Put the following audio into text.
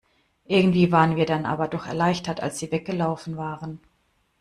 Irgendwie waren wir dann aber doch erleichtert, als sie weggelaufen waren.